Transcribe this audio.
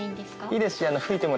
いいですし。